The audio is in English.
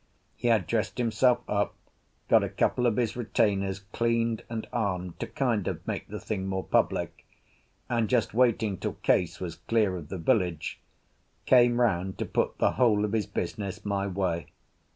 He had dressed himself up, got a couple of his retainers cleaned and armed to kind of make the thing more public, and, just waiting till Case was clear of the village, came round to put the whole of his business my way.